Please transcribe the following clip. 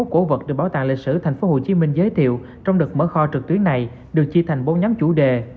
hai mươi cổ vật được bảo tàng lịch sử tp hcm giới thiệu trong đợt mở kho trực tuyến này được chia thành bốn nhóm chủ đề